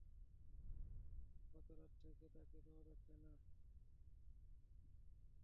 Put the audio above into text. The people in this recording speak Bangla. গত রাত থেকে তাকে পাওয়া যাচ্ছে না।